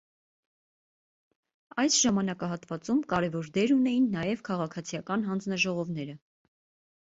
Այս ժամանակահատվածում կարևորդեր ունեին նաև քաղաքացիական հանձնաժողովները։